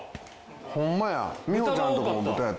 ホンマや。